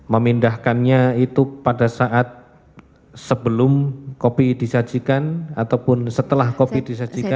memindahkannya itu pada saat sebelum kopi disajikan ataupun setelah kopi disajikan